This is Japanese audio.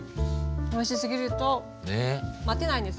おいしすぎると待てないんですよ。